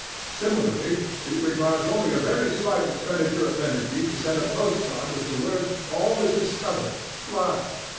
Similarly, it requires only a very slight expenditure of energy to send a post card with the words "All is discovered; fly!"